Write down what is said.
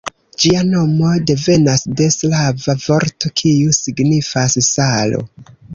Ĝia nomo devenas de slava vorto, kiu signifas "salo".